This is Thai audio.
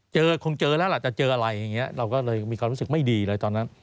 คงเจอแล้วล่ะจะเจออะไรอย่างนี้เราก็เลยมีความรู้สึกไม่ดีเลยตอนนั้น